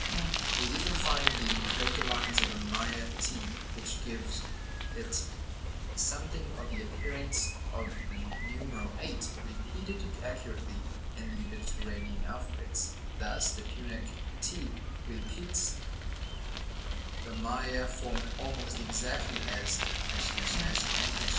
We even find the curved lines of the Maya t which give it something of the appearance of the numeral 8, repeated accurately in the Mediterranean alphabets; thus the Punic t repeats the Maya form almost exactly as ### and ###.